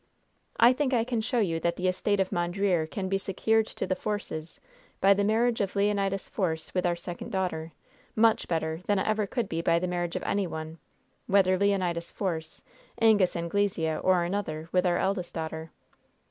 "I think I can show you that the estate of Mondreer can be secured to the Forces by the marriage of Leonidas Force with our second daughter, much better than it ever could be by the marriage of any one, whether Leonidas Force, Angus Anglesea, or another, with our eldest daughter."